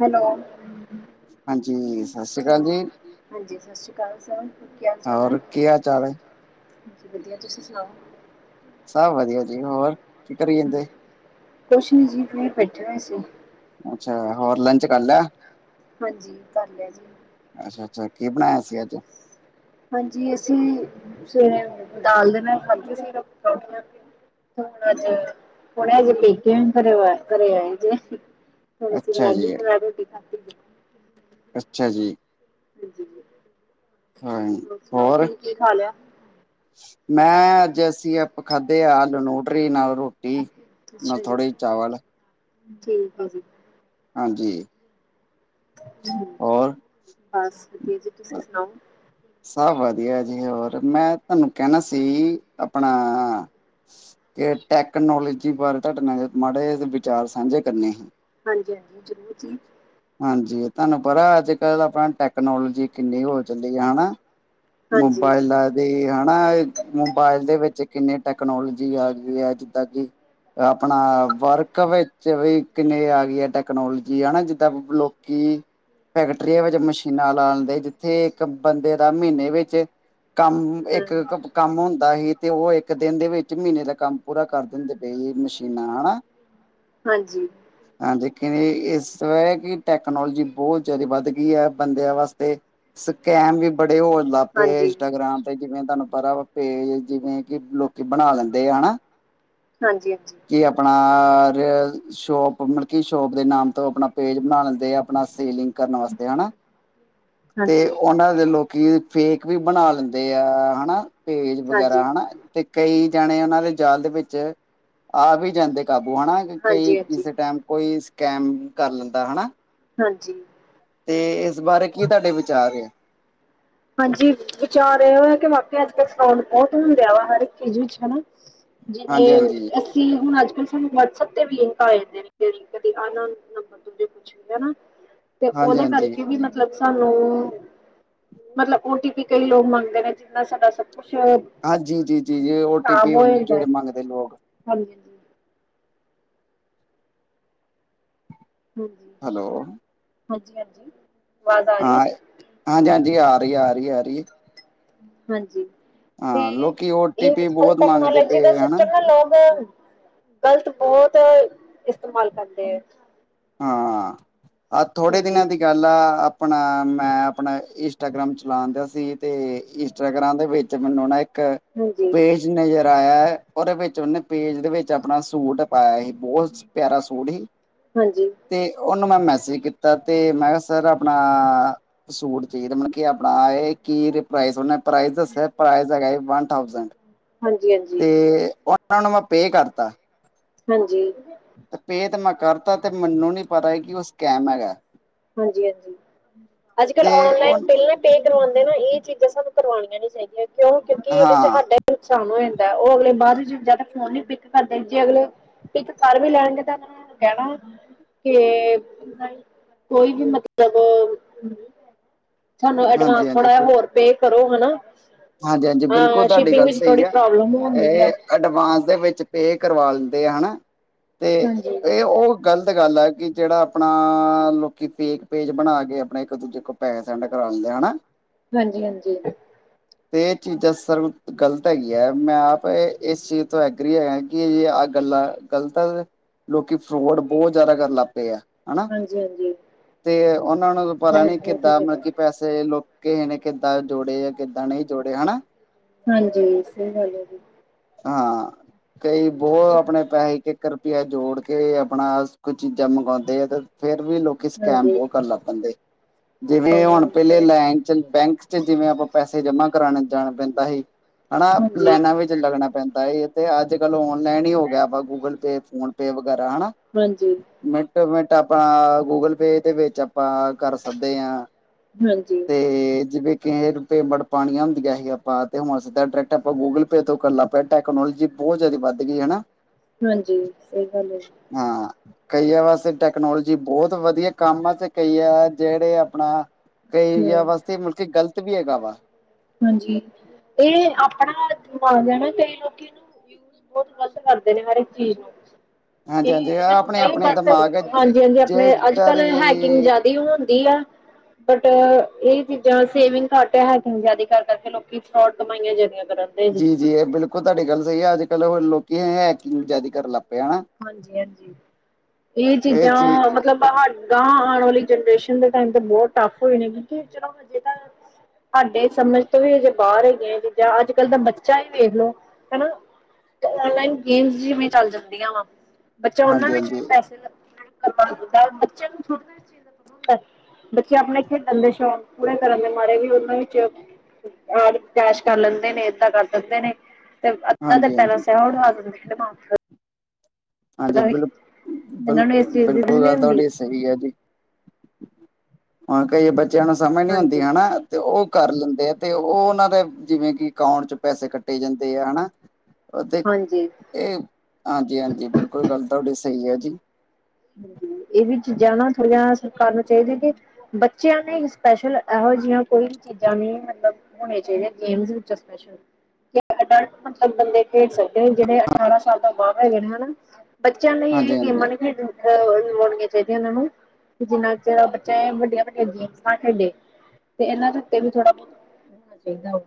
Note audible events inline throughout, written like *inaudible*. Hello ਹਾਂਜੀ ਸਤਿ ਸ਼੍ਰੀ ਅਕਾਲ ਜੀ ਹਾਂਜੀ। ਹਾਂਜੀ ਸਤਿ ਸ਼੍ਰੀ ਅਕਾਲ ਸਰ। ਕੀ ਹਾਲ ਚਾਲ ਹੈ ਹੋਰ ਕੀ ਹਾਲ ਚਾਲ? ਹਾਂਜੀ ਵਧੀਆ ਤੁਸੀਂ ਸੁਣਾਓ? ਸਭ ਵਧੀਆ ਜੀ ਹੋਰ। ਕੀ ਕਰੀ ਜਾਂਦੇ ਕੁਛ ਨੀ ਜੀ, ਇਵੇ ਬੈਠੇ ਹੋਏ ਸੀ। ਅੱਛਾ, ਹੋਰ ਲੰਚ ਕਰ ਲਿਆ? ਹਾਂਜੀ, ਕਰ ਲਿਆ ਜੀ। ਅੱਛਾ-ਅੱਛਾ ਕੀ ਬਣਾਇਆ ਸੀ ਅੱਜ? ਹਾਂਜੀ, ਅਸੀਂ ਸਵੇਰੇ ਦਾਲ ਦੇ ਨਾਲ ਖਾਧੀ ਸੀ ਪਰੌਂਠੀਆਂ। ਹੁਨ ਅਜੇ ਹੁਨੇ ਅਜੇ ਪੇਕੇ ਐਂਟਰ ਹੋਏ ਘਰੇ ਆਏ ਜੇ। ਹੁਣ, ਅਸੀਂ ਅੱਛਾ ਮੈਗੀ ਜੀ ਦੇ ਨਾਲ ਰੋਟੀ ਖਾਧੀ ਸੀ। ਅੱਛਾ ਜੀ। ਹਾਂ *unintelligible* ਹੋਰ ਸੁਣਾਓ ਤੁਸੀ ਕੀ ਖਾ ਲਿਆ? ਮੈਂ ਅੱਜ ਅਸੀਂ, ਆਪਾਂ ਖਾਧੇ ਆ ਆਲੂ-ਨੂਟਰੀ ਨਾਲ ਰੋਟੀ, ਨਾਲ ਅੱਛਾ ਜੀ ਥੋੜ੍ਹੇ ਜੇ ਚਾਵਲ। ਠੀਕ ਐ ਜੀ। ਹਾਂਜੀ। ਹੋਰ ਬਸ, ਵਧੀਆ ਜੀ ਤੁਸੀਂ ਸੁਣਾਓ। ਸਭ ਵਧੀਆ ਜੀ ਹੋਰ, ਮੈਂ ਤੁਹਾਨੂੰ ਕਹਿਣਾ ਸੀ ਆਪਣਾ ਕੇ ਟੈਕਨੋਲਜੀ ਬਾਰੇ ਤੁਹਾਡੇ ਨਾਲ ਮਾੜੇ ਜੇ ਵਿਚਾਰ ਸਾਂਝੇ ਕਰਨੇ ਸੀ। ਹਾਂਜੀ-ਹਾਂਜੀ ਜਰੂਰ ਜੀ। ਹਾਂਜੀ, ਤੁਹਾਨੂੰ ਪਤਾ ਅੱਜ-ਕੱਲ੍ਹ ਆਪਣਾ ਟੈਕਨੋਲੋਜੀ ਕਿੰਨੀ ਹੋ ਚੱਲੀ ਐ ਹਨਾ? ਹਾਂਜੀ, ਮੋਬਾਈਲ ਐ ਤੇ ਹਨਾ? ਮੋਬਾਇਲ ਦੇ ਵਿੱਚ ਕਿੰਨੇ ਟੈਕਨੋਲੋਜੀ ਆ ਗਈ ਐ, ਜਿੱਦਾਂ ਕਿ ਆਪਣਾ ਵਰਕ ਵਿੱਚ ਵੀ ਕਿੰਨੀ ਆ ਗਈ ਐ ਇਹ ਟੈਕਨੋਲੋਜੀ ਹਨਾ ਜੀ? ਸਭ ਲੋਕੀ ਫੈਕਟਰੀਆਂ ਵਿੱਚ ਮਸ਼ ਨਾ ਲਾਂ ਦਿੰਦੇ ਜਿੱਥੇ ਇੱਕ ਬੰਦੇ ਦਾ ਮੀਨੇ ਵਿੱਚ ਕੰਮ ਇੱਕ ਹੂੰ, ਕੰਮ ਹੁੰਦਾ ਸੀ ਤੇ, ਓ ਇੱਕ ਦਿਨ ਦੇ ਵਿੱਚ ਮੀਨੇ ਦਾ ਕੰਮ ਪੂਰਾ ਕਰ ਦਿੰਦੇ ਪਏ ਮਸ਼ੀਨਾਂ ਨਾਲ ਹਨਾ? ਹਾਂਜੀ। ਹਾਂਜੀ, ਲੇਕਿਨ ਇਸ ਸਵੇਰੇ ਕਿ ਟੈਕਨੋਲੋਜੀ ਬਹੁਤ ਜਿਆਦਾ ਵੱਧ ਗਈ ਐ, ਬੰਦਿਆਂ ਵਾਸਤੇ। ਸਕੈਮ ਵੀ ਬੜੇ ਹੋਣ ਲੱਗ ਪਏ ਹਾਂਜੀ, ਇੰਸਟਾਗ੍ਰਾਮ ਤੇ ਜਿਵੇਂ ਤੁਹਾਨੂੰ ਪਤਾ ਵਾ ਪੇਜ, ਜਿਵੇਂ ਕਿ ਲੋਕੀ ਬਣਾ ਲੈਂਦੇ ਆ ਨਾ? ਹਾਂਜੀ ਹਾਂਜੀ। ਕਿ ਆਪਣਾ ਸ਼ੋਪ ਮਲਕੀ ਸ਼ੋਪ ਦੇ ਨਾਮ ਤੋਂ ਆਪਣਾ ਪੇਜ ਬਣਾ ਲੈਂਦੇ ਆ ਆਪਣਾ ਸੇਲਿੰਗ ਕਰਨ ਵਾਸਤੇ ਹਨਾ? ਤੇ ਹਾਂਜੀ, ਓਨਾਂ ਲੋਕੀ ਫੇਕ ਵੀ ਬਣਾ ਲੈਂਦੇ ਆ ਹਨਾ? ਪੇਜ ਵਗੈਰਾ ਹਾਂਜੀ, ਹਨਾ? ਤੇ ਕਈ ਜਣੇ ਉਹਨਾਂ ਦੇ ਜਾਲ ਦੇ ਵਿੱਚ ਆ ਵੀ ਜਾਂਦੇ। ਕਾਬੂ ਹਨਾ? ਕਈ ਕਿਸੇ ਹਾਂਜੀ, ਟਾਈਮ ਕੋਈ ਸਕੈਮ ਕਰ ਲੈਂਦਾ ਹਨਾ? ਹਂਜੀ ਤੇ, ਇਸ ਬਾਰੇ ਕੀ ਤੁਹਾਡੇ ਵਿਚਾਰ ਆ ਹਾਂਜੀ, ਵਿਚਾਰ ਇਹੋ ਹੈ ਕਿ ਵਾਕਿਆ ਅੱਜ-ਕੱਲ ਫਰੋਡ ਬਹੁਤ ਹੁੰਦਾ ਐ, ਹਰ ਇੱਕ ਚੀਜ਼ ਵਿੱਚ ਹਨਾ। ਹਾਂਜੀ, ਜਿਵੇਂ ਹਾਂਜੀ, ਅ ਕਿ ਹੁਣ ਅੱਜ-ਕੱਲ ਸਾਨੂੰ ਵਟਸਐਪ ਤੇ ਵੀ ਲਿੰਕ ਆ ਜਾਂਦੇ ਨੇ ਕਦੇ ਆ ਅਨਨੋਨ ਨੰਬਰ ਤੋਂ ਠੀਕ ਐ ਨਾ ਤੇ ਹਾਂਜੀ, ਉਹਦੇ ਹਾਂਜੀ। ਕਰਕੇ ਵੀ ਮਤਲਬ ਸਾਨੂੰ ਮਤਲਬ ਔ ਟੀ ਪੀ ਕਈ ਲੋਕ ਮੰਗਦੇ ਨੇ, ਜਿੰਨਾ ਸਾਡਾ ਸਭ ਕੁਛ ਹਾਂਜੀ ਜੀ, ਜੀ-ਜੀ ਔ ਟੀ ਪੀ ਜਿਹੜੇ ਮੰਗਦੇ ਲੋਕ ਹਾਜੀ-ਹਾਜ ਹਾਂਜੀ। ਹੈਲੋ। ਹਾਂਜੀ-ਹਾਂਜੀ। ਆਵਾਜ਼ ਆ ਰਹੀ ਹੈ ਹਾਂ ਜੀ? ਹਾਂਜੀ-ਹਾਂਜੀ ਆ ਰੀ, ਆ ਰੀ, ਆ ਰੀ। ਹਾਂਜੀ। ਤੇ, ਹਾਂ ਲੋਕੀ ਓ ਟੀ ਇਹ ਪੀ ਅੱਜ-ਕੱਲ ਬਹੁਤ ਮੰਗਦੇ ਟੈਕਨੋਲੋਜੀ ਦਾ ਪਏ ਹਨਾ ਸਿਸਟਮ ਨਾ ਲੋਕ ਗ਼ਲਤ ਬਹੁਤ ਇਸਤੇਮਾਲ ਕਰਦੇ ਐ ਹਾਂ, ਆ ਥੋੜੇ ਹਾਂਜੀ, ਦਿਨਾਂ ਦੀ ਗਲ ਪਹਿਲਾਂ ਆਪਣਾਂ ਮੈਂ ਆਪਣਾ ਇੰਸਟਾਗ੍ਰਾਮ ਚਲਾਨ ਦਿਆ ਸੀ ਤੇ ਇਸ ਇੰਸਟਾਗ੍ਰਾਮ ਦੇ ਵਿਚ ਮੈਨੂੰ ਨਾ ਇੱਕ ਹਾਂਜੀ, ਹਾਂਜੀ, ਪੇਜ ਨਜ਼ਰ ਆਇਆ ਏ, ਉਹਦੇ ਵਿੱਚ ਉਹਨੇ ਪੇਜ ਵਿੱਚ ਆਪਣਾਂ ਸੂਟ ਪਾਇਆ ਹੀ, ਬਹੁਤ ਪਿਆਰਾ ਸ਼ੂਟ ਹੀ ਹਾਂਜੀ। ਤੇ ਉਨੂੰ ਮੈਂ ਮੈਸੇਜ ਕੀਤਾ ਤੇ ਮੈਂ ਹਾ ਸਰ ਆਪਣਾ ਸ਼ੂਟ ਚਾਇਦਾ, ਮਤਲਬ ਕਿ ਆਪਣਾ ਇਹ ਕੀ ਪ੍ਰਾਈਜ਼ ਉਹਨਾ ਪ੍ਰਾਈਜ਼ ਦਸਿਆ, ਪ੍ਰਾਈਜ਼ ਹੈਗਾ ਹੀ ਵਨ ਥਾਊਜੈਂਡ। ਹਾਂਜੀ-ਹਾਂਜੀ। ਤੇ ਉਨਾਂ ਨੂੰ ਮੈਂ ਪੇਅ ਕਰਤਾ। ਹਾਂਜੀ। ਤੇ ਪੇਅ ਤੇ ਮੈਂ ਕਰਤਾ, ਤੇ ਮੈਨੂੰ ਨੀ ਪਤਾ ਹੀ ਕੀ ਓ ਸਕੈਮ ਹੈਗਾ ਐ। ਹਾਂਜੀ-ਹਾਂਜੀ ਅੱਜ- ਕੱਲ ਤੇ ਉਹ ਔਨਲਾਈਨ ਪਇਲਾਂ ਪੇਅ ਕਰਵਾਦੇ ਨੇ ਏ ਚੀਜ਼ਾਂ ਸਾਨੂੰ ਕਰਵਾਣੀਆਂ ਨੀ ਚਾਹੀਦੀਆਂ ਕਿਉਂ ਕਿਉਂਕਿ ਇਹਦੇ ਚ ਹਾਂ ਹਾਡਾ ਨੁਕਸਾਨ ਹੋ ਜਾਂਦਾ, ਉਹ ਅਗਲੇ ਬਾਦ ਵਿ ਜਾ ਫੋਨ ਨੀ ਪਿੱਕ ਕਰਦੇ, ਜੇ ਅਗਲੇ ਪਿੱਕ ਕਰ ਵੀ ਲੈਣਗੇ ਤਾਂ ਉਹਨਾਂ ਨੇਂ ਹਾਨੂੰੰ ਕਿਹਣਾ ਕੇ *inaudible* ਕੋਈ ਵੀ ਮਤਲਬ ਸਾਨੂੰ ਹਾਂਜੀ ਐਡਵਾਂਸ ਹਾਂਜੀ ਥੋੜਾ ਜਾਂ ਬਿਲ ਹੋਰ ਪੇਅ ਕਰੋ ਹਨਾ, ਹਾਂਜੀ ਹਾਂਜੀ ਬਿਲਕੁਲ ਅ ਸ਼ਿਪਿੰਗ ਵਿੱਚ ਥੋੜੀ ਪ੍ਰੋਬਲਮ ਹੋਣ ਦੀ ਐ ਅਡਵਾਂਸ ਦੇ ਵਿੱਚ ਪੇਅ ਕਰਵਾ ਲੈਂਦੇ ਆ ਹਨਾ, ਤੇ ਹਾਂਜੀ ਇਹ ਉਹ ਗ਼ਲਤ ਗੱਲ ਏ ਕਿ ਜਿਹੜਾ ਆਪਣਾਂ ਲੋਕੀਂ ਫੇਕ ਪੇਜ ਬਣਾ ਕੇ ਆਪਣੇ ਇੱਕ ਦੂਜੇ ਕੋ ਪੈਹੇ ਸੈਨਡ ਕਰਾਉਂਦੇ ਹਨਾ। ਹਾਂਜੀ-ਹਾਂਜੀ। ਤੇ ਇਹ ਚੀਜ਼ਾਂ ਸਰਬ ਗਲਤ ਹੈਗੀਆਂ, ਮੈਂ ਆਪ ਇਸ ਚੀਜ਼ ਤੋਂ ਐਗਰੀ ਹੈਗਾ ਕਿ ਐ ਗੱਲਾਂ ਗ਼ਲਤ, ਲੋਕੀ ਫਰੋਡ ਬਹੁਤ ਜ਼ਿਆਦਾ ਕਰਨ ਲੱਗ ਪੇ ਆ। ਹਨਾ, ਹਾਂਜੀ ਹਾਂਜੀ ਤੇ ਉਨਾਂ ਨੂੰ ਪਤਾ ਬਹੁਤ ਨੀ ਬਹੁਤ ਕਿੱਦਾਂ ਮਤਲਬ ਜਿਆਦਾ ਕੀ ਪੈਸੇ ਤੇ ਲੋਕ ਕਿਹਨੇ ਕਿੱਦਾਂ ਜੋੜੇ ਆ ਕਿੱਦਾਂ ਨਹੀਂ ਜੋੜੇ ਹਨਾ। ਹਾਂਜੀ ਸਹੀ ਗੱਲ ਹੈ ਜੀ। ਹਾਂ, ਕਈ ਬਹੁਤ ਆਪਣੇ ਪੈਹੇ ਇੱਕ- ਇੱਕ *inaudible* ਜੋੜ ਕੇ ਆਪਣਾ ਕੁਝ ਚੀਜ਼ਾਂ ਮੰਗਵਾਉਂਦੇ ਆ ਤੇ। ਫੇਰ ਵੀ ਲੋਕੀ ਸਕੈਮ ਹਾਂਜੀ ਬਹੁਤ ਕਰਨ ਲੱਗ ਪੈਂਦੇ, ਜਿਵੇਂ ਹੁਣ ਪਹਿਲੇ ਹਾਂ ਲੈਨ ਚ ਬੈਂਕ। ਜਿਵੇਂ ਆਪਾਂ ਪੈਸੇ ਜਮਾ ਕਰਾਣ ਜਾਣਾ ਪੈਂਦਾ ਹੀ ਹਨਾ ਹਾਂਜੀ ਲੈਨਾਂ ਵਿੱਚ। ਲੱਗਣਾ ਪੈਂਦਾ ਹੀ ਇਥੇ ਅੱਜ-ਕੱਲ ਔਨਲਾਈਨ ਈ ਹੋ ਗਿਆ ਵਾ ਗੂਗਲ ਪੇ, ਫੋਨ ਪੇ ਵਗੈਰਾ ਹਨਾ। ਹਾਂਜੀ। ਮਿੰਟੋ-ਮਿੰਟ ਆਪਾਂ ਗੂਗਲ ਪੇ ਦੇ ਵਿੱਚ ਆਪਾਂ। ਕਰ ਸਕਦੇ ਆ ਹਾਂਜੀ, ਤੇ ਜਿਵੇਂ ਕੇ। ਪੇਮੈਂਟ ਪਾਨਿਆ ਹੁੰਦੀਆਂ ਹੀ ਆਪਾਂ ਤੇ ਹੁਣ ਸਿੱਧਾ ਡਾਇਰੈਕਟ ਆਪਾਂ ਗੂਗਲ ਪੇ ਤੋਂ ਕਰਨ ਲੱਗ ਪੇ ਟੈਕਨੋਲੋਜੀ। ਬਹੁਤ ਜਾਦੀ ਵੱਧ ਗੀ ਹਨਾ। ਹਾਂਜੀ ਸਹੀ ਗੱਲ ਹੈ। ਹਾਂ। ਕਈਆ ਵਾਸਤੇ ਟੈਕਨੋਲੋਜੀ ਬਹੁਤ ਵਧੀਆ ਕੰਮ ਆ ਤੇ ਕਈਆ ਜਿਹੜੇ ਆਪਣਾ। ਕਈਆ ਹੂੰ, ਵਾਸਤੇ ਮੁੜ ਕੇ ਗ਼ਲਤ ਵੀ ਹੈਗਾ ਵਾ ਹਾਂਜੀ ਏ ਆਪਣਾ ਦਿਮਾਗ ਐਨਾ ਕਈ ਲੋਕੀ ਇਨੂੰ। ਬਹੁਤ ਗਲਤ ਕਰਦੇ ਨੇ ਹਰ ਏਕ ਚੀਜ਼ ਨੂੰ। *inaudible* ਹਾਂਜੀ-ਹਾਂਜੀ ਆਪਣੇ ਆਪਣੇ ਦਿਮਾਗ ਹੈ ਹਾਂਜੀ ਹਾਂਜੀ ਜੇ ਆਪਣੇ ਇੱਦਾਂ ਅੱਜ-ਕੱਲ ਦੀ ਹੈਕਿੰਗ ਜਾਦਾ। ਏ ਹੋਂਦੀ ਆ। ਬਟ ਏਹ ਚੀਜ਼ਾਂ ਸੇਵਿੰਗ ਘੱਟ ਐ ਹੈਕਿੰਗ ਜਿਆਦੀ ਕਰ- ਕਰਕੇ ਲੋਕੀ ਫਰੋਡ ਕਮਾਈਆਂ ਜ਼ਿਆਦੀਆਂ ਕਰਨ। ਦੇ ਜੀ। ਜੀ-ਜੀ ਏਹ ਬਿਲਕੁਲ ਤੁਹਾਡੀ ਗੱਲ ਸਹੀ ਐ, ਅੱਜ-ਕੱਲ੍ਹ ਲੋਕੀ ਹੈਹੇਕਿੰਗ ਜ਼ਿਆਦੀ ਕਰਨ ਲਗ ਹਾਂਜੀ-ਹਾਂਜੀ ਏ ਇਹ ਚੀਜ਼ਾਂ ਚੀਜ਼ ਮ ਮਤਲਬ ਗਾਂ ਆਣ ਵਾਲੀ ਜਨਰੇਸ਼ਨ ਦੇ ਟਾਈਮ ਤੇ ਬਹੁਤ ਟੱਫ ਹੋ ਜਾਣੀ ਕਿਉਕਿ ਚਲੋ ਹਜੇ ਤਾਂ ਹਾਡੈ ਸਮਝ ਤੋਂ ਵੀ ਅਜੇ ਬਾਹਰ ਹੈਗੀਆਂ ਏ ਚੀਜ਼ਾਂ ਅੱਜ-ਕੱਲ ਦਾ ਬੱਚਾ ਈ ਵੇਖ ਲੋ ਹੈਨਾ। ਔਨਲਾਈਨ ਗੇਮਸ ਜਿਵੇਂ ਚੱਲ ਜਾਂਦੀਆਂ ਵਾ ਬੱਚਾ ਉਹਨਾਂ ਵਿੱਚ ਵੀ ਹਾਂਜੀ-ਹਾਂਜੀ, ਪੈਸੇ ਕਰਵਾ ਦਿੰਦਾ ਬੱਚਿਆਂ ਨੂੰ ਥੋੜੀ ਨਾ ਇਹ ਚੀਜ਼ ਦਾ ਪਤਾ ਹੁੰਦਾ ਐ *inaudible* ਬੱਚੇ ਆਪਣੇ ਖੇਡਣ ਦੇ ਸ਼ੌਂਕ ਪੂਰੇ ਕਰਨ ਦੇ ਮਾਰੇ ਵੀ ਉਹਨਾਂ ਵਿੱਚ ਅਜ ਕੈਸ਼ ਕਰ ਲੈਂਦੇ ਨੇ ਏਦਾਂ ਕਰ ਦਿੰਦੇ ਨੇ ਤੇ ਅੱਧਾ ਹਾਂਜੀ-ਹਾਂਜੀ, ਦਿਨ ਹਾਂਜੀ ਪਹਿਲਾਂ ਹਾਂਜੀ ਸਿਆਹ ਉਡਵਾ ਦਿੰਦੇ ਮਾਂ ਪ ਦਾ *unintelligible* ਹਾਂਜੀ ਵੀ ਬਿਲਕੁਲ ਇਹਨਾਂ ਨੂੰ ਇਸ ਬਿਲਕੁਲ ਚੀਜ਼ ਦੀ ਸਮਝ ਬਿਲਕੁਲ ਨਹੀਂ ਗੱਲ ਹੁੰਦੀ ਤੁਹਾਡੀ ਸਹੀ ਐ ਜੀ ਹੁਣ ਕੲਈ ਬੱਚਿਆਂ ਨੂੰ ਸਮਝ ਨੀ ਹੁੰਦੀ ਹਾਂਜੀ, ਹਨਾ ਤੇ ਉਹ ਕਰ ਲੈਂਦੇ ਆ ਤੇ ਉਹ ਉਹਨਾਂ ਦੇ ਜਿਵੇਂ ਕਿ ਅਕਾਊਂਟ ਚ ਪੈਸੇ ਕੱਟੇ ਜਾਂਦੇ ਆ ਹਨਾ ਉਹ ਤੇ ਹਾਂਜੀ, ਇਹ ਹਾਂਜੀ ਹਾਂਜੀ ਬਿਲਕੁਲ ਗੱਲ ਤੁਹਾਡੀ ਸਹੀ ਐ ਜੀ ਹਾਂ ਇਹ ਵੀ ਚੀਜ਼ਾਂ ਨਾ ਥੋੜੀਆਂ ਸਰਕਾਰ ਨੂੰ ਚਾਹੀਦੀਆਂ ਕਿ ਬੱਚਿਆਂ ਤੇ ਸਪੈਸ਼ਲ ਇਹੋ ਜਿਆਂ ਕੋਈ ਚੀਜ਼ਾਂ ਵੀ ਮਤਲਬ ਹੋਣੀਆਂ ਚਾਹੀਦੀਆਂ ਗੇਮਸ ਵਿੱਚੋੰ ਸਪੈਸ਼ਲ। ਅ *inaudible* ਲਟ ਮਤਲਬ ਬੰਦੇ ਖੇਡ ਸਕਦੇ ਜਿਹੜੇ ਅਠਾਰਾਂ ਸਾਲ ਦਾ ਬਾਹਰ ਹੈਗੇ ਹਨਾ ਬੱਚਿਆਂ ਲਈ ਇਹ ਗੇਮਾਂ ਹਾਂਜੀ-ਹਾਂਜੀ। ਨੀ ਖੇਡਣ ਲਵਾਉਣੀਆਂ ਚਾਹੀਦੀਆਂ ਉਹਨਾਂ ਨੂੰ ਜਿੰਨਾ ਚਿਰ ਬੱਚਾ ਏ ਵੱਡੀਆਂ-ਵੱਡੀਆਂ ਗੇਮਸ ਨਾ ਖੇਡੇ ਤੇ ਇਹਨਾਂ ਦੇ ਉੱਤੇ ਵੀ ਥੋੜਾ *inaudible* ਬਹੁਤ ਹੋਣਾ ਚਾਹੀਦਾ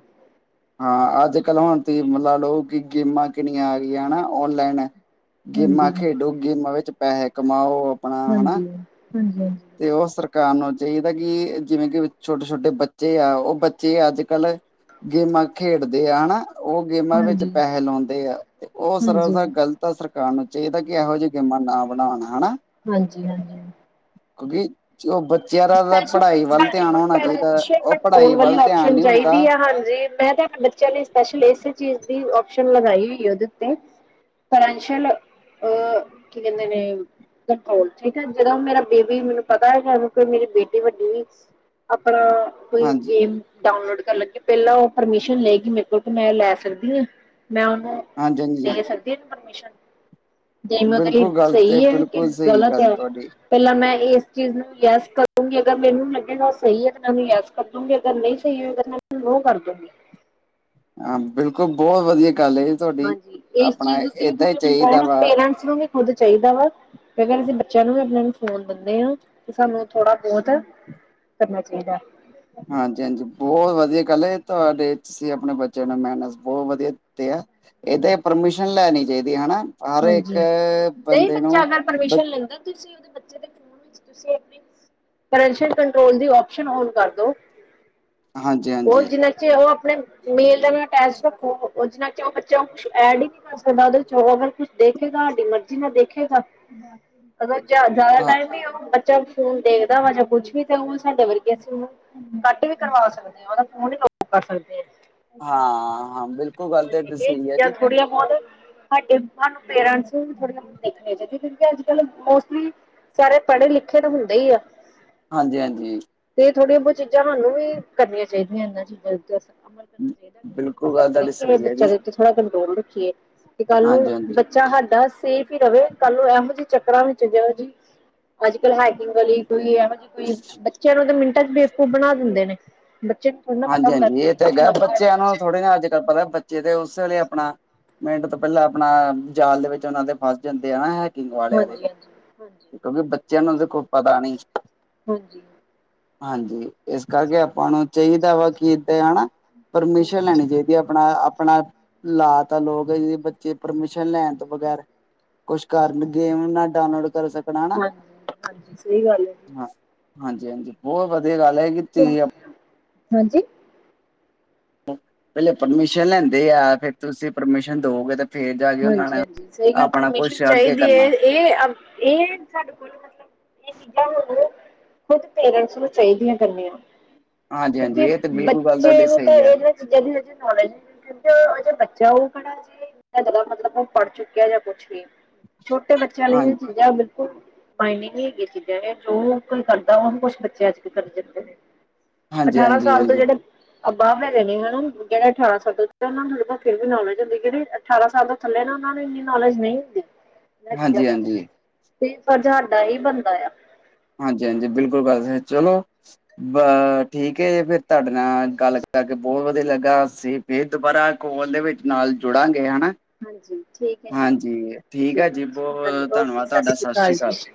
ਹਾਂ ਅੱਜ-ਕੱਲ ਹੁਣ ਤੁਸੀ ਲਾ ਲਓ ਕਿ ਗੇਮਾਂ ਕਿੰਨੀਆਂ ਆ ਗਈਆਂ ਹਨਾ ਔਨਲਾਈਨ ਹਾਂਜੀ, ਗੇਮਾਂ ਖੇਡੋ, ਗੇਮਾਂ ਵਿੱਚ ਪੈਹੇ ਕਮਾਓ ਆਪਣਾ ਹਨਾ ਹਾਂਜੀ, ਹਾਂਜੀ-ਹਾਂਜੀ ਤੇ ਉਹ ਸਰਕਾਰ ਨੂੰ ਚਾਹੀਦਾ ਕਿ ਜਿਵੇਂ ਕਿ ਛੋਟੇ-ਛੋਟੇ ਬੱਚੇ ਆ ਉਹ ਬੱਚੇ ਅੱਜ-ਕੱਲ੍ਹ ਗੇਮਾਂ ਖੇਡਦੇ ਆ, ਹਨਾ ਉਹ ਗੇਮਾਂ ਵਿੱਚ ਹਾਂਜੀ, ਪੈਹੇ ਲਾਉਂਦੇ ਆ, ਤੇ ਉਹ ਹਾਂਜੀ, ਸਰਾਸਰ ਗਲਤ ਤਾਂ ਸਰਕਾਰ ਨੂੰ ਚਾਹੀਦਾ ਕਿ ਇਹੋ ਜਿਆਂ ਗੇਮਾਂ ਨਾ ਬਣਾਣ ਹਨਾ ਹਾਂਜੀ ਹਾਂਜੀ ਕਿਉਂਕਿ, ਉਹ ਬ ਉਹ ਪੜ੍ਹਾਈ ਗੋਲ ਵਾਲੀ ਵੱਲ ਧਿਆਨ ਆਪਸ਼ਨ ਨਹੀਂ ਹੁੰਦਾ ਚਾਹੀਦੀ, ਹਾਂਜੀ *inaudible* ਮੈਂ ਤਾਂ ਆਪਣੇ ਬੱਚਿਆਂ ਲਈ ਸਪੈਸ਼ਲ, ਇਸੇ ਚੀਜ਼ ਦੀ ੳਪਸ਼ਨ ਲਗਾਈ ਹੋਈ ਉਹਦੇ ਉੱਤੇ ਫੈਨੰਸ਼ੈਲ ਅਹ ਕੀ ਕਹਿੰਦੇ ਨੇ, ਹੋਰ ਠੀਕ ਹੈ, ਜਦੋਂ ਮੇਰਾ ਬੇਬੀ ਮੈਨੂੰ ਪਤਾ ਹੈਗਾ ਕੋ ਮੇਰੀ ਬੇਟੀ ਵੱਡੀ ਵੀ, ਆਪਣਾ ਕੋਈ ਹਾਂਜੀ ਗੇਮ ਡਾਊਨਲੋਡ ਕਰ ਲੱਗੀ, ਪਹਿਲਾਂ ਉਹ ਪਰਮਿਸ਼ਨ ਲੈਗੀ ਮੇਰੇ ਕੋਲ, ਕਿ ਮੈਂ ਲੈ ਸਕਦੀ ਹਾਂ। ਮੈਂ ਉਹਨੂੰ ਹਾਂਜੀ ਹਾਂਜੀ ਦੇ ਸਕਦੇ ਹਾ, ਪਰਮਿਸ਼ਨ ਜ ਮਤਲ ਲਈ ਬਿਲਕੁਲ ਗੱਲ ਤੇ ਸਹੀ ਹੈ, ਕਿ ਬਿਲਕੁਲ ਸਹੀ ਗ਼ਲਤ ਹੈ ਗੱਲ ੳ, ਤੁਹਾਡੀ ਪਹਿਲਾਂ ਮੈਂ ਇਸ ਚੀਜ਼ ਨੂੰ ਯੈਸ ਕਰਦੂੰਗੀ, ਅਗਰ ਮੈਨੂੰ ਲੱਗੇਗਾ ਉਹ ਸਹੀ ਹੈ, ਤੇ ਮੈ ੳਨੂੰ ਯੈਸ ਕਰਦੂਗੀ, ਅਗਰ ਨਹੀਂ ਸਹੀ ਹੋਏਗਾ, ਤਾਂ ਮੈਂ ੳਨੂੰ ਨੋ ਕਰ ਦੂੰਗੀ। ਹਾਂ ਬਿਲਕੁਲ, ਬਹੁਤ ਵਧੀਆ ਗਲ ਏ। ਹਾਂਜੀ, ਇਸ ਚੀਜ਼ ਉੱਤੇ ਵੀ ਚਾਹੀਦਾ ਥੋੜਾ, ਵਾ ਪੇਰੈਂਟਸ ਨੂੰ ਵੀ ਖੁਦ ਚਾਹੀਦਾ ਵਾ ਅਗਰ ਅਸੀਂ ਬੱਚਿਆਂ ਨੂੰ ਵੀ, ਆਪਣੇ ਨੂੰ ਫੋਨ ਦਿੰਦੇ ਹਾਂ, ਤੇ ਸਾਨੂੰ ਥੋੜਾ ਬਹੁਤ ਕਰਨਾ ਚਾਹੀਦਾ। ਹਾਂਜੀ ਹਾਂਜੀ, ਬਹੁਤ ਵਧੀਆ ਗੱਲ ਏ ਇਹ ਤੁਹਾਡੇ 'ਚ, ਤੁਸੀਂ ਆਪਣੇ ਬੱਚਿਆਂ ਨੂੰ ਮੈਨਰਸ, ਬਹੁ ਵਧੀਆ ਦਿੱਤੇ ਆ। ਇਹ ਤੇ ਪਰਮਿਸ਼ਨ ਲੈਣੀ ਚਾਹੀਦੀ, ਹਨਾ, ਹਰ ਇੱਕ ਹਾਂਜੀ। ਨਹੀਂ ਬੰਦੇ ਬੱਚਾ ਨੂੰ ਅਗਰ ਬ ਪਰਮਿਸ਼ਨ ਲੈਂਦਾ, ਤੁਸੀਂ ਉਹਦੇ ਬੱਚੇ *unintelligible* ਪੈਰੇਂਟਲ ਕੰਟਰੋਲ ਦੀ, ਆਪਸ਼ਨ ਓਨ ਕਰਦੋ ਹਾਂਜੀ ਹੋਰ ਹਾਂਜੀ ਜਿੰਨ ਜੇ ਉਹ ਆਪਣੇ ਮੇਲ ਦਾ ਟੈਸਟ ਰੱਖੋ, ਉਹ ਨਾਲ ਕਿ ਉਹ ਬੱਚਾ ਐਡ ਹੀ ਉਸਦੇ ਬਾਦ ਵਿੱਚ, ਅਗਰ ਕੁਛ ਦੇਖੇਗਾ ਸਾਡੀ ਮਰਜ਼ੀ ਨਾਲ ਦੇਖੇਗਾ, ਅਗਰ ਜਜ਼ਿਆਦਾ ਹਾਂ ਟਾਈਮ ਨ ਫੋਨ ਦੇਖਦਾ ਵਾ ਜਾਂ ਕੁਛ ਵੀ, ਤੇ ਉਹ ਸਾਡੇ ਵਰਗੇ ਸੀ ਹੁਣ ਕੱਟ ਵੀ ਕਰਵਾ ਸਕਦੇ ਆ, ਉਹਦਾ ਫੋਨ ਹੀ ਬੰਦ ਕਰ ਸਕਦੇ ਆ ਹਾਂ ਹਾਂ, ਬਿਲ ਹਾਂਜੀ, ਇਹ ਚੀਜ਼ਾਂ ਥੋੜੀਆਂ ਬਹੁਤ ਸਾਡੇ ਸਾਨੂੰ ਪੇਰੈਂਟਸ ਨੂੰ, ਥੋੜੀਆਂ ਦੇਖਣੀਆਂ ਚਾਹੀਦੀਆਂ। ਕਿਉਂਕਿ ਅੱਜ ਕੱਲ ਮੋਸਟਲੀ ਸਾਰੇ, ਪੜ੍ਹੇ-ਲਿਖੇ ਤਾਂ ਹੁੰਦੇ ਹੀ ਆ। ਹਾਂਜੀ-ਹਾਂਜੀ। ਤੇ ਥੋੜੀਆਂ ਬਹੁਤ ਚੀਜ਼ਾਂ ਸਾਨੂੰ ਵੀ, ਕਰਨੀਆਂ ਚਾਹੀਦੀਆਂ ਇਹਨਾਂ ਚੀਜ਼ਾਂ ਉੱਤੇ ਅਮਲ ਚਾਹੀਦਾ ਬਿਲਕੁਲ ਗੱਲ ਤੁਹਾਡੀ ਕਿ, ਸਹੀ ਹੈ ਬੱਚਿਆਂ ਜੀ ਦੇ ਉੱਤੇ ਥੋੜਾ ਕੰਟਰੋਲ ਰੱਖੀਏ, ਤੇ ਕੱਲ ਨੂੰ ਹਾਂਜੀ ਹਾਂਜੀ ਬੱਚਾ ਹਾਡਾ ਸੇਫ ਹੀ ਰਵੇ, ਕੱਲ ਨੂੰ ਇਹੋ ਜਿਹੀ ਚੱਕਰਾਂ ਵਿੱਚ ਜਿਵੇਂ ਜੀ ਅੱਜ-ਕੱਲ੍ਹ ਹੈਕਿੰਗ ਵਾਲੀ ਕੋਈ ਇਹੋ ਜਿਹੀ ਕੋਈ, ਬੱਚਿਆਂ ਨੂੰ ਤਾਂ ਮਿੰਟਾਂ ਚ' ਬੇਵਕੂਫ ਬਣਾ ਦਿੰਦੇ ਨੇ। ਬੱਚੇ ਥੋੜ੍ਹਾ ਨਾ ਪਤਾ ਹੁੰਦਾ ਹਾਂਜੀ-ਹਾਂਜੀ ਕਿ ਇਹ ਤੇ ਹੈਗਾ, ਲੱਗਾ ਹੋਇਆ ਬੱਚਿਆਂ ਨੂੰ ਬੰਦਾ। ਥੋੜ੍ਹੇ ਨਾ, ਅੱਜ-ਕੱਲ੍ਹ ਪਤਾ ਬੱਚੇ ਤੇ ਉਸ ਵੇਲੇ ਆਪਣਾ, ਮਿੰਟ ਤੋਂ ਪਹਿਲਾਂ ਆਪਣਾ, ਜਾਲ ਦੇ ਵਿੱਚ ਉਹਨਾਂ ਦੇ ਫਸ ਜਾਂਦੇ ਆ, ਹੈਕਿ ਹੈਕਿਂਗ ਵਾਲਿਆਂ ਦੇ, ਹਾਂਜੀ ਹਾਂਜੀ ਹਾਂਜੀ ਕਿਉਂਕਿ ਬੱਚਿਆਂ ਨੂੰ ਦੇਖੋ ਪਤਾ ਨੀ। ਹਾਂਜੀ। ਹਾਂਜੀ, ਇਸ ਕਰਕੇ ਆਪਾਂ ਨੂੰ ਚਾਹੀਦਾ ਵਾ, ਕਿ ਇੱਥੇ ਹਨਾ ਹੂੰ। ਪਰਮਿਸ਼ਨ ਲੈਣੀ ਚਾਹੀਦੀ। ਵੀ ਆਪਣਾ-ਆਪਣਾ ਲਾ ਤਾ ਲੋ ਕੇ ਜੀ, ਬੱਚੇ ਪਰਮਿਸ਼ਨ ਲੈਣ ਤੋਂ ਬਗੈਰ ਕੁਛ ਕਰਨ, ਗੇਮ ਨਾ ਡਾਊਨਲੋਡ ਕਰ ਸਕ ਹਣਾ, ਹਾਂਜੀ-ਹਾਂਜੀ, ਸਹੀ ਗੱਲ ਐ ਜੀ। ਹਾਂਜੀ-ਹਾਂਜੀ, ਬਹੁਤ ਵਧੀਆ ਗੱਲ ਹੈ ਕਿ ਤੁਸੀਂ ਹਾਂਜੀ? ਪਹਿਲੇ ਪਰਮਿਸ਼ਨ ਲੈਂਦੇ ਆ, ਫਿਰ ਤੁਸੀਂ ਪਰਮਿਸ਼ਨ ਦੳਗੇ ਤਾਂ ਹਾਂਜੀ-ਹਾਂਜੀ ਸਹੀ ਗੱਲ ਪਰਮੇਸ਼ਨ ਅੱਗੇ ਚਾਹੀਦੀ ਹੈ। ਕਰਨਾ ਇਹ-ਇਹ ਸਾਡੇ ਕੋਲ ਮਤਲਬ ਇਹ ਚੀਜ਼ਾਂ ਸਾਨੂੰ ਖੁਦ ਪੇਰੈਂਟਸ ਨੂੰ ਚਾਹੀਦੀਆਂ ਕਰਨੀਆਂ। ਹਾਂਜੀ-ਹਾਂਜੀ ਕਿਉਂਕਿ ਇਹ ਤੇ ਬਿਲਕੁਲ ਗੱਲ ਬੱਚੇ ਤੁਹਾਡੀ ਨੂੰ ਤਾਂ ਸਹੀ ਹੈ। ਇਹਨਾ। *unintelligible* ਮਤਲਬ ਉਹ ਪੜ੍ਹ ਚੁੱਕਿਆ ਜਾਂ ਕੁਛ ਵੀ ਛੋਟੇ ਬੱਚਿਆਂ ਹਾਂ ਲਈ ਚੀਜ਼ਾਂ ਬਾਈਨਿੰਗ ਹੈਗੀਆਂ ਚੀਜ਼ਾਂ ਇਹ ਜੋ ਕੋਈ ਕਰਦਾ ਉਹਨ ਕੁਛ ਬੱਚੇ ਅੱਜ ਕ ਕਰ ਜਾਂਦੇ ਨੇ। ਅਠਾਰਾਂ ਹਾਂਜੀ-ਹਾਂਜੀ, ਸਾਲ ਤੋਂ ਹਾਂਜੀ, ਜਿਹੜੇ ਅਬਾਹ ਪਦੇ ਨੇ ਹਨਾ। ਜਿਹੜੇ ਅਠਾਰਾਂ ਸੱਤ ਉਹ ਨੂੰ ਤੁੇ ਬ ਫੇਰ ਵੀ ਨੋਲੇਜ ਹੁੰਦੀ ਜਿਹੜੀ ਅਠਾਰਾਂ ਸਾਲ ਦੇ ਥੱਲੇ ਨਾ ਉਹਨਾਂ ਨੂੰ ਇੰਨੀ ਨੌਲੇਜ ਨਹੀਂ ਹੁੰਦੀ। ਇਹਨਾਂ ਚੀਜ਼ਾਂ ਬਾਰੇ। ਹਾਂਜੀ-ਹਾਂਜੀ, ਤੇ ਪਰ ਸਾਡਾ ਹੀ ਬੰਦਾ ਆ। ਹਾਂਜੀ- ਹਾਂਜੀ ਬਿਲਕੁਲ ਬੱਲ ਚਲੋ ਅ। ਠੀਕ ਹੈ ਜੀ। ਫਿਰ ਤੁਹਾਡੇ ਨਾਲ ਗੱਲ ਕਰਕੇ ਬਹੁਤ ਵਧੀਆ ਲੱਗਾ। ਅਸੀਂ ਫਿਰ ਦੁਬਾਰਾ ਕੋਲ ਦੇ ਵਿੱਚ ਨਾਲ ਜੁੜਾਂਗੇ ਹਨਾ। ਹਾਂਜੀ ਠੀਕ ਹੈ ਜੀ ਹਾਂਜੀ। ਠੀਕ ਹੈ ਜੀ ਜ਼ਰੂਰ ਹਾਂਜੀ ਬਹੁਤ ਓਕੇ ਧੰਨਵਾਦ ਤੁਹਾਡਾ। ਸਤਿ ਸ਼੍ਰੀ ਅਕਾਲ। ਜੀ